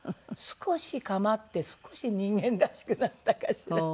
少し構って少し人間らしくなったかしら。